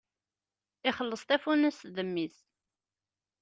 Ixelleṣ tafunast d mmi-s!